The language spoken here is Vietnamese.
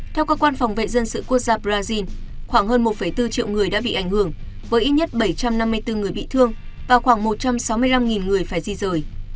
theo cơ quan phòng vệ dân sự quốc gia brazil khoảng hơn một bốn triệu người đã bị ảnh hưởng với ít nhất bảy trăm năm mươi bốn người bị thương và khoảng một trăm sáu mươi năm người phải di rời